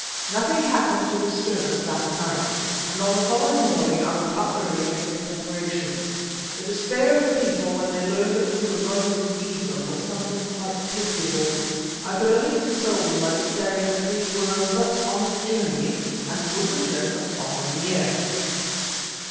Nothing happened to disturb us that night, and on the following morning I was up early making preparations. The despair of the people when they learned that we were going to leave them was something quite pitiable. I could only console them by declaring that we were but on a journey, and would return the following year.